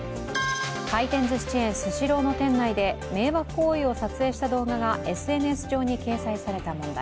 回転ずしチェーン、スシローの店内で迷惑行為を撮影した動画がＳＮＳ上に掲載された問題。